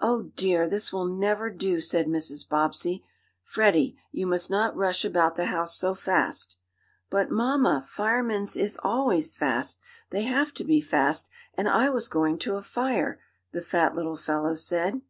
"Oh, dear! This will never do!" said Mrs. Bobbsey. "Freddie, you must not rush about the house so fast." "But, mamma, firemens is always fast. They have to be fast, and I was going to a fire," the fat little fellow said.